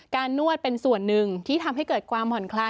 นวดเป็นส่วนหนึ่งที่ทำให้เกิดความผ่อนคลาย